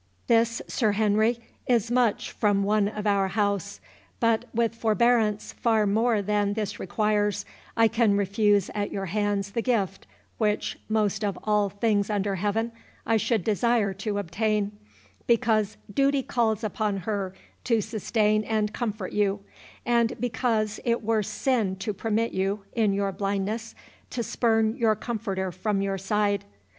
This, Sir Henry, is much from one of our house. But, with forbearance far more than this requires, I can refuse at your hands the gift, which, most of all things under heaven, I should desire to obtain, because duty calls upon her to sustain and comfort you, and because it were sin to permit you, in your blindness, to spurn your comforter from your side.